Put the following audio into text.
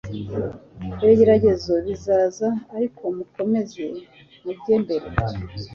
Ibigeragezo bizaza ariko mukomeze mujye mbere